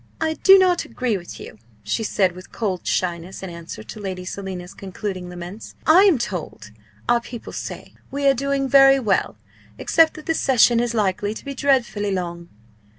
"I do not agree with you," she said with cold shyness in answer to Lady Selina's concluding laments "I am told our people say we are doing very well except that the session is likely to be dreadfully long."